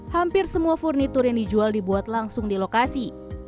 hampir semua furnitur yang dijual dibuat langsung di lokasi